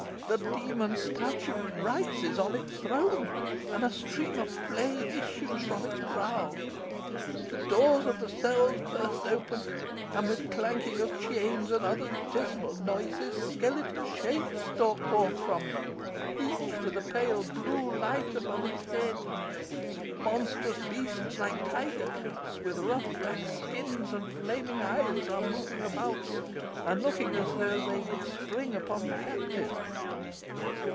The demon statue rises on its throne, and a stream of flame issues from its brow. The doors of the cells burst open, and with the clanking of chains, and other dismal noises, skeleton shapes stalk forth, from them, each with a pale blue light above its head. Monstrous beasts, like tiger cats, with rough black skins and flaming eyes, are moving about, and looking as if they would spring upon the captive.